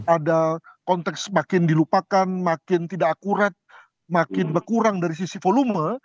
ada konteks makin dilupakan makin tidak akurat makin berkurang dari sisi volume